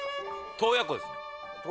「洞爺湖です」